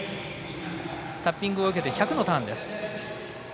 タッピングを受けて１００のターン。